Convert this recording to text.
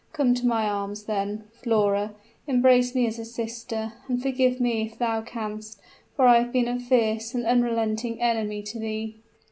Come to my arms, then. Flora, embrace me as a sister, and forgive me if thou canst, for I have been a fierce and unrelenting enemy to thee!"